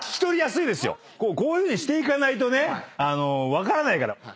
こういうふうにしていかないとね分からないから。